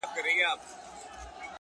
په دومره سپینو کي عجیبه انتخاب کوي ـ